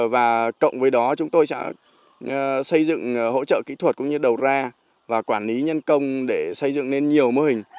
và cộng với đó chúng tôi sẽ xây dựng hỗ trợ kỹ thuật cũng như đầu ra và quản lý nhân công để xây dựng nên nhiều mô hình